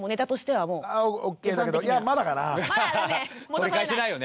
取り返せないよね！